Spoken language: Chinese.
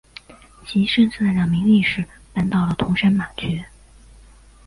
其剩下的两名力士搬到了桐山马厩。